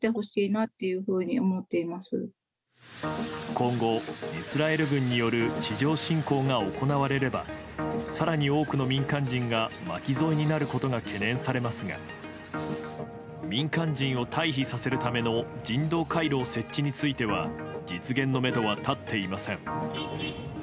今後、イスラエル軍による地上侵攻が行われれば更に多くの民間人が巻き添えになることが懸念されますが民間人を退避させるための人道回廊設置については実現のめどは立っていません。